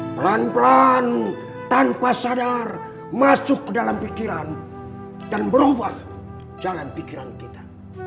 pelan pelan tanpa sadar masuk ke dalam pikiran dan berubah jangan pikiran kita